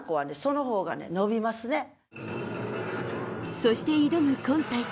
そして挑む今大会、